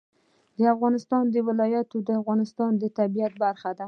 د افغانستان ولايتونه د افغانستان د طبیعت برخه ده.